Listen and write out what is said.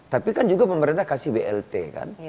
tapi kan juga pemerintah kasih blt kan